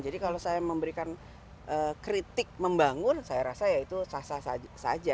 jadi kalau saya memberikan kritik membangun saya rasa ya itu sah sah saja